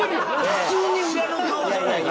普通に裏の顔じゃねえか！